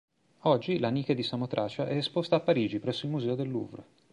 Oggi la Nike di Samotracia è esposta a Parigi presso il Museo del Louvre.